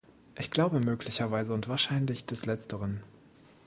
Ich glaube möglicherweise und wahrscheinlich des Letzteren.